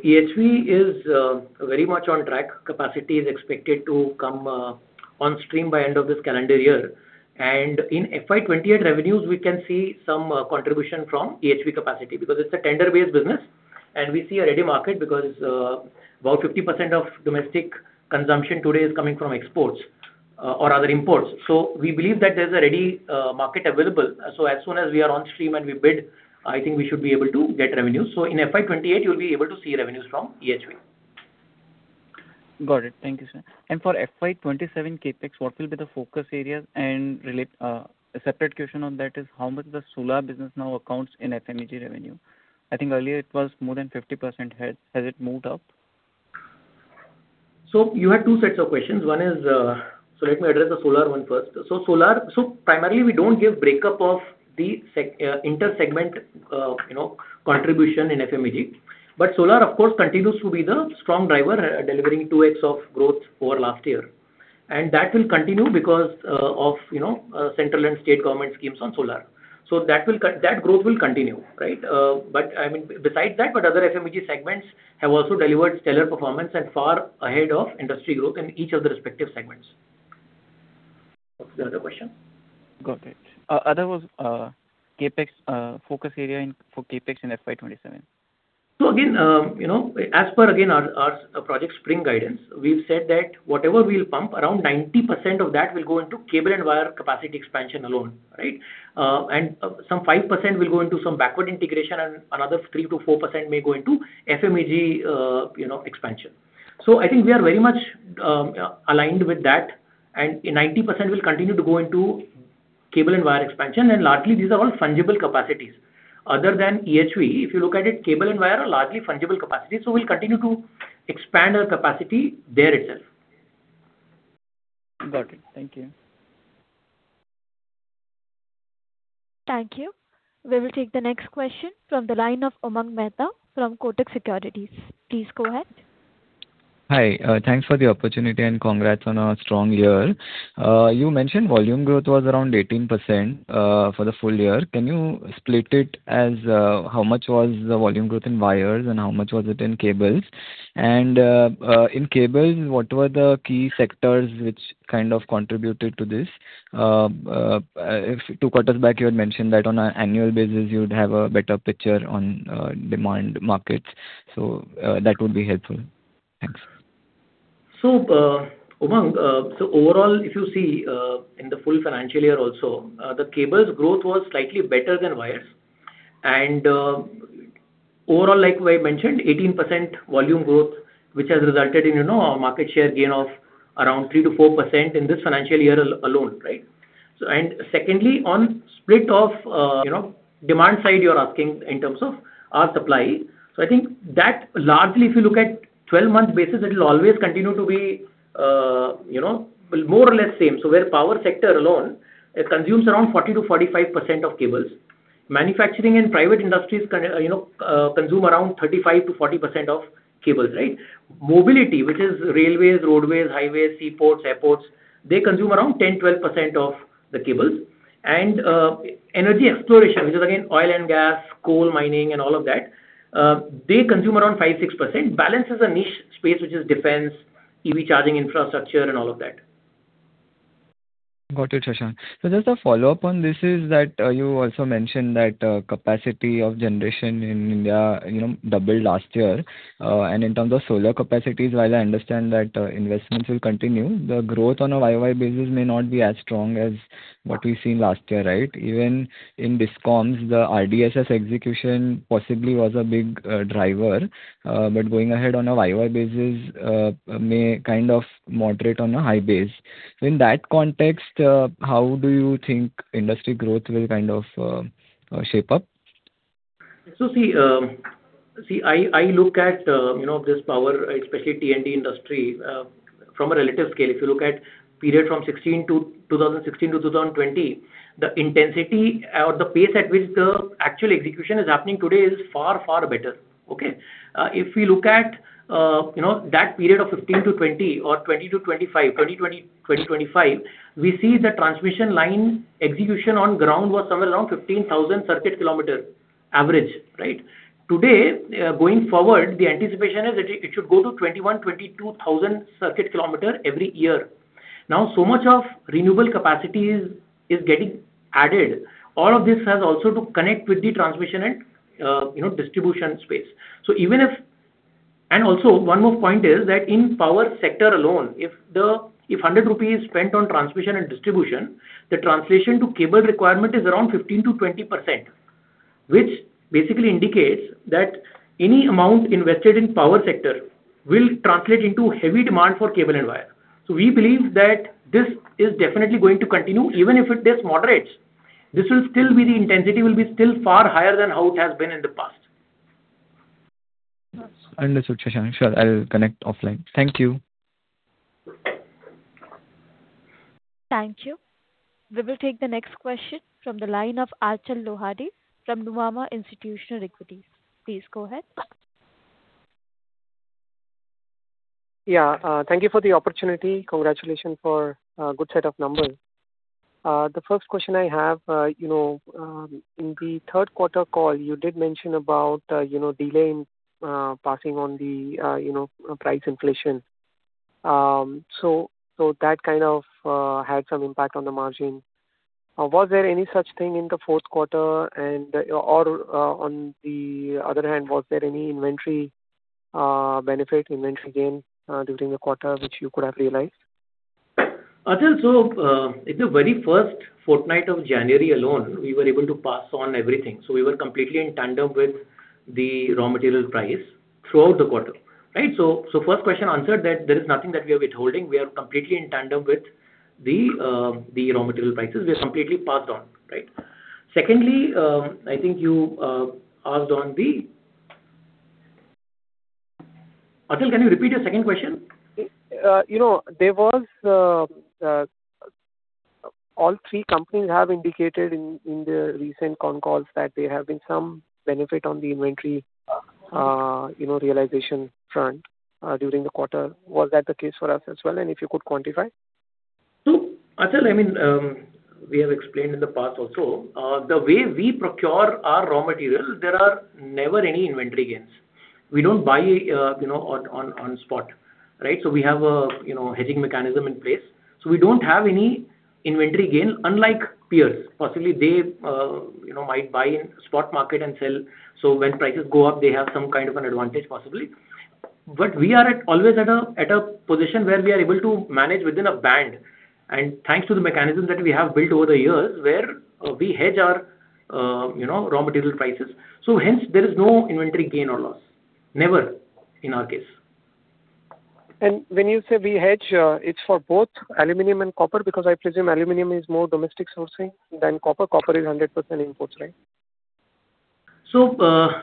EHV is very much on track. Capacity is expected to come on stream by end of this calendar year. In FY 2028 revenues, we can see some contribution from EHV capacity because it's a tender based business and we see a ready market because about 50% of domestic consumption today is coming from exports or rather imports. We believe that there's a ready market available. As soon as we are on stream and we bid, I think we should be able to get revenue. In FY 2028, you'll be able to see revenues from EHV. Got it. Thank you, sir. For FY 2027 CapEx, what will be the focus areas and relate a separate question on that is, how much the solar business now accounts in FMEG revenue? I think earlier it was more than 50%. Has it moved up? You had two sets of questions. One is, so let me address the solar one first. Solar, so primarily we don't give break up of the inter-segment, you know, contribution in FMEG. Solar, of course, continues to be the strong driver, delivering 2x of growth over last year. That will continue because of, you know, central and state government schemes on solar. That growth will continue, right? I mean, besides that, other FMEG segments have also delivered stellar performance and far ahead of industry growth in each of the respective segments. What's the other question? Got it. Other was, CapEx, focus area for CapEx in FY 2027. Again, you know, as per again our Project Spring guidance, we've said that whatever we'll pump, around 90% of that will go into cable and wire capacity expansion alone, right? Some 5% will go into some backward integration and another 3%-4% may go into FMEG, you know, expansion. I think we are very much aligned with that and 90% will continue to go into cable and wire expansion. Largely these are all fungible capacities other than EHV. If you look at it, cable and wire are largely fungible capacity, so we'll continue to expand our capacity there itself. Got it. Thank you. Thank you. We will take the next question from the line of Umang Mehta from Kotak Securities. Please go ahead. Hi. Thanks for the opportunity and congrats on a strong year. You mentioned volume growth was around 18% for the full year. Can you split it as, how much was the volume growth in wires and how much was it in cables? In cables, what were the key sectors which kind of contributed to this? If two quarters back you had mentioned that on an annual basis you would have a better picture on demand markets, that would be helpful. Thanks. Umang, overall if you see, in the full financial year also, the cables growth was slightly better than wires. Overall, like the way I mentioned, 18% volume growth, which has resulted in, you know, a market share gain of around 3%-4% in this financial year alone, right? And secondly, on split of, you know, demand side you're asking in terms of our supply. I think that largely if you look at 12-month basis, it'll always continue to be, you know, well, more or less same. Where power sector alone, it consumes around 40%-45% of cables. Manufacturing and private industries can, you know, consume around 35%-40% of cables, right? Mobility, which is railways, roadways, highways, seaports, airports, they consume around 10%-12% of the cables. Energy exploration, which is again oil and gas, coal mining and all of that, they consume around 5%, 6%. Balance is a niche space, which is defense, EV charging infrastructure and all of that. Got it, Shashank. Just a follow-up on this is that you also mentioned that capacity of generation in India, you know, doubled last year. In terms of solar capacities, while I understand that investments will continue, the growth on a YoY basis may not be as strong as what we've seen last year, right? Even in DISCOMs, the RDSS execution possibly was a big driver. Going ahead on a YoY basis may kind of moderate on a high base. In that context, how do you think industry growth will kind of shape up? See, see I look at, you know, this power, especially T&D industry, from a relative scale. If you look at period from 2016 to 2020, the intensity or the pace at which the actual execution is happening today is far, far better. Okay. If we look at, you know, that period of 2015 to 2020 or 2020 to 2025, 2020, 2025, we see the transmission line execution on ground was somewhere around 15,000 ckm average, right? Today, going forward, the anticipation is it should go to 21,000 ckm-22,000 ckm every year. Now, so much of renewable capacity is getting added. All of this has also to connect with the transmission and, you know, distribution space. One more point is that in power sector alone, if 100 rupees is spent on transmission and distribution, the translation to cable requirement is around 15%-20%, which basically indicates that any amount invested in power sector will translate into heavy demand for cable and wire. We believe that this is definitely going to continue. Even if this moderates, this will still be the intensity, will be still far higher than how it has been in the past. Understood, Shashank. Sure, I'll connect offline. Thank you. Thank you. We will take the next question from the line of Achal Lohade from Nuvama Institutional Equities. Please go ahead. Thank you for the opportunity. Congratulations for a good set of numbers. The first question I have, you know, in the third quarter call you did mention about, you know, delay in passing on the, you know, price inflation. That kind of had some impact on the margin. Was there any such thing in the fourth quarter and, or, on the other hand, was there any inventory benefit, inventory gain during the quarter which you could have realized? Achal, in the very first fortnight of January alone, we were able to pass on everything. We were completely in tandem with the raw material price throughout the quarter, right. First question answered that there is nothing that we are withholding. We are completely in tandem with the raw material prices. We are completely passed on, right. Secondly, I think you asked on the Achal, can you repeat your second question? You know, all three companies have indicated in their recent con calls that there have been some benefit on the inventory, you know, realization front during the quarter. Was that the case for us as well? If you could quantify. Achal, I mean, we have explained in the past also, the way we procure our raw materials, there are never any inventory gains. We don't buy, you know, on spot, right? We have a, you know, hedging mechanism in place. We don't have any inventory gain, unlike peers. Possibly they, you know, might buy in spot market and sell, so when prices go up, they have some kind of an advantage possibly. We are always at a position where we are able to manage within a band, and thanks to the mechanism that we have built over the years, where we hedge our, you know, raw material prices. Hence there is no inventory gain or loss. Never, in our case. When you say we hedge, it's for both aluminum and copper because I presume aluminum is more domestic sourcing than copper. Copper is 100% imports, right?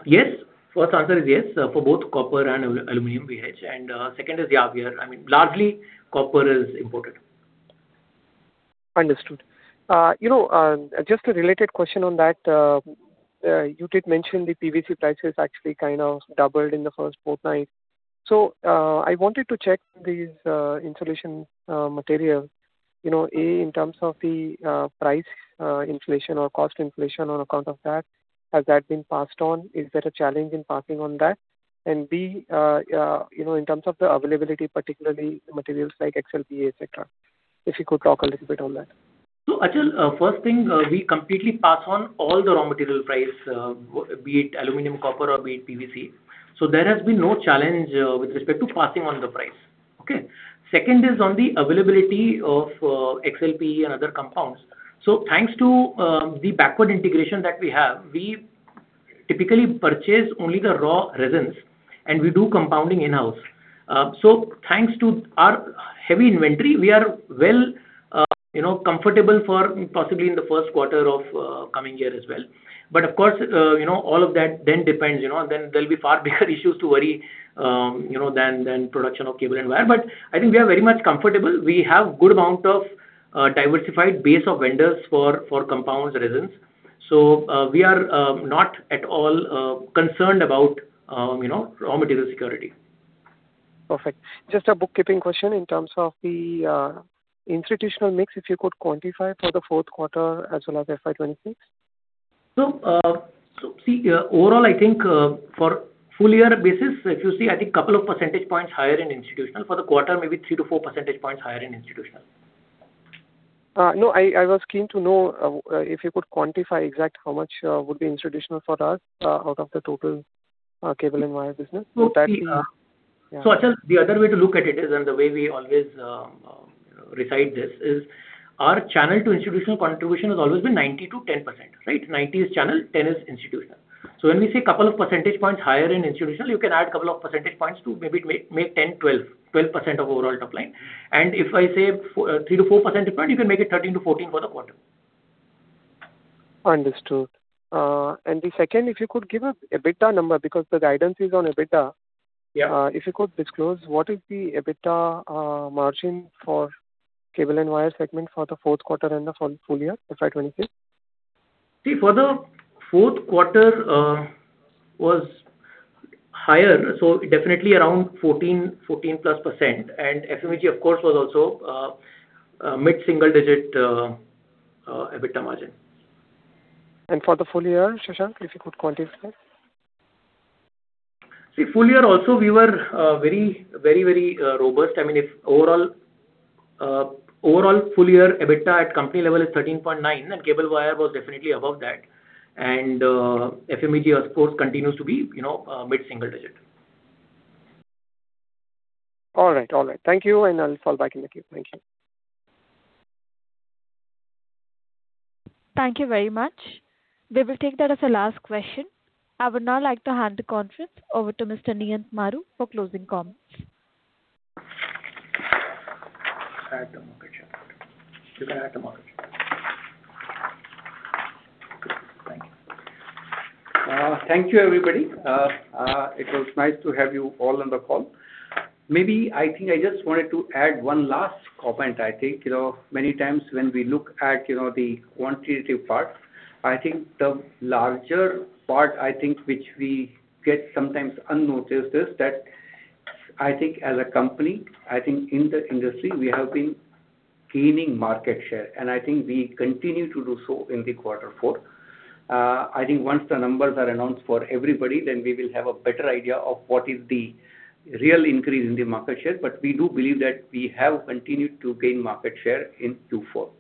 Yes. First answer is yes, for both copper and aluminum we hedge. Second is, we are. Largely copper is imported. Understood. You know, just a related question on that. You did mention the PVC prices actually kind of doubled in the first fortnight. I wanted to check these insulation material, you know, A, in terms of the price inflation or cost inflation on account of that, has that been passed on? Is there a challenge in passing on that? B, you know, in terms of the availability, particularly materials like XLPE, et cetera, if you could talk a little bit on that. Achal, first thing, we completely pass on all the raw material price, be it aluminum, copper or be it PVC. There has been no challenge with respect to passing on the price. Okay. Second is on the availability of XLPE and other compounds. Thanks to the backward integration that we have, we typically purchase only the raw resins, and we do compounding in-house. Thanks to our heavy inventory, we are well, you know, comfortable for possibly in the first quarter of coming year as well. Of course, you know, all of that then depends, you know, then there'll be far bigger issues to worry, you know, than production of cable and wire. I think we are very much comfortable. We have good amount of diversified base of vendors for compound resins. We are not at all concerned about, you know, raw material security. Perfect. Just a bookkeeping question in terms of the institutional mix, if you could quantify for the fourth quarter as well as FY 2026. Overall, I think, for full year basis, if you see, I think couple of percentage points higher in institutional. For the quarter, maybe 3 percentage points-4 percentage points higher in institutional. No, I was keen to know, if you could quantify exact how much would be institutional for us out of the total cable and wire business? So, see, uh- Yeah. Achal, the other way to look at it is, and the way we always recite this is our channel to institutional contribution has always been 90% to 10%, right? 90% is channel, 10% is institutional. When we say a couple of percentage points higher in institutional, you can add a couple of percentage points to maybe make 10%, 12%. 12% of overall top line. If I say 3%-4% different, you can make it 13%-14% for the quarter. Understood. The second, if you could give an EBITDA number, because the guidance is on EBITDA. Yeah. If you could disclose what is the EBITDA margin for cable and wire segment for the fourth quarter and the full year, FY 2026? See, for the fourth quarter, was higher, so definitely around 14%+. FMEG, of course, was also mid-single digit EBITDA margin. For the full year, Shashank, if you could quantify? Full year also we were very robust. I mean, if overall full year EBITDA at company level is 13.9%, cable wire was definitely above that. FMEG of course continues to be, you know, mid-single digit. All right. All right. Thank you. I'll fall back in the queue. Thank you. Thank you very much. We will take that as the last question. I would now like to hand the conference over to Mr. Niyant Maru for closing comments. Add to market share. You can add to market share. Thank you. Thank you, everybody. It was nice to have you all on the call. Maybe I think I just wanted to add one last comment. I think, you know, many times when we look at, you know, the quantitative part, I think the larger part, I think, which we get sometimes unnoticed is that I think as a company, I think in the industry, we have been gaining market share, and I think we continue to do so in the quarter four. I think once the numbers are announced for everybody, then we will have a better idea of what is the real increase in the market share. We do believe that we have continued to gain market share in Q4.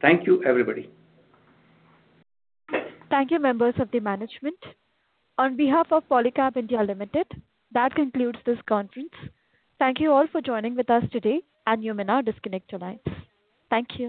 Thank you, everybody. Thank you, members of the management. On behalf of Polycab India Limited, that concludes this conference. Thank you all for joining with us today, and you may now disconnect your lines. Thank you.